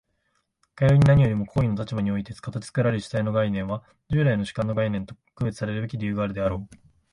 かように何よりも行為の立場において形作られる主体の概念は、従来の主観の概念とは区別さるべき理由があるであろう。